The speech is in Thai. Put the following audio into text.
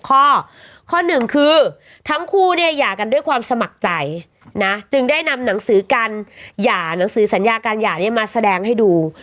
ข้อข้อหนึ่งคือทั้งคู่เนี่ยหย่ากันด้วยความสมัครใจนะจึงได้นำหนังสือการหย่าหนังสือสัญญาการหย่าเนี่ยมาแสดงให้ดู